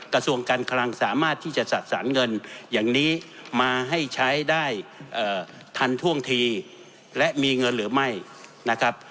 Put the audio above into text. กระทรวงการคลังสามารถที่จะจัดสรรเงินอย่างนี้มาให้ใช้ได้ทันท่วงทีและมีเงินหรือไม่นะครับ